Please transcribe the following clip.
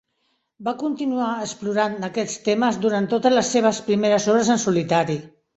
Va continuar explorant aquest temes durant totes les seves primeres obres en solitari.